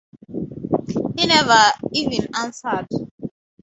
He never even answered.